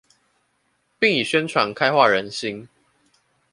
並以宣傳開化人心